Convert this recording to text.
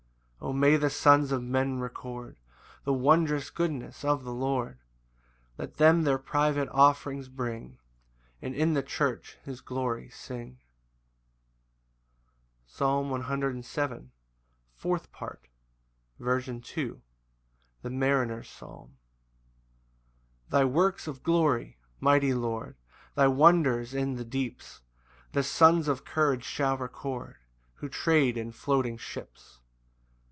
6 O may the sons of men record The wondrous goodness of the Lord! Let them their private offerings bring, And in the church his glory sing. Psalm 107:5. Fourth Part. C. M. The Mariner's psalm. 1 Thy works of glory, mighty Lord, Thy wonders in the deeps, The sons of courage shall record Who trade in floating ships.